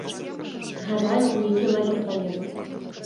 Гадаю, у які лагер паеду.